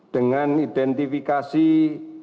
terus juga tracing dari subcluster brasier